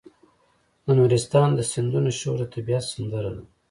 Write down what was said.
د نورستان د سیندونو شور د طبیعت سندره ده.